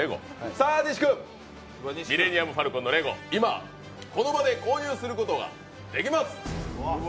さあ、西君、ミレニアム・ファルコンのレゴ、今、この場で購入することができます。